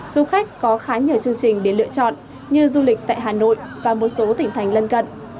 du khách có khá nhiều chương trình để lựa chọn như du lịch tại hà nội và một số tỉnh thành lân cận